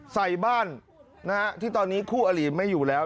ใส่บ้านที่ตอนนี้คู่อลีไม่อยู่แล้ว